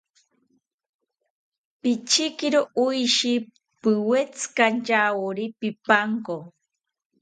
Pichekiro oshi, piwetzikanchawori pipanko